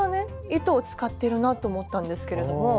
糸を使ってるなと思ったんですけれども。